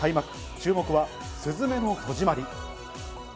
注目は『すずめの戸締まり』。